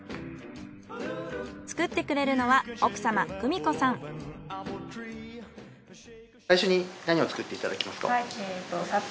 作ってくれるのは最初に何を作っていただけますか？